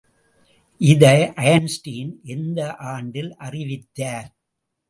இதை ஐன்ஸ்டீன் எந்த ஆண்டில் அறிவித்தார்?